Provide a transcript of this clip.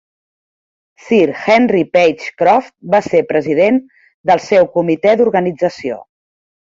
Sir Henry Page Croft va ser president del seu comitè d'organització.